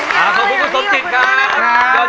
ขอบคุณครับ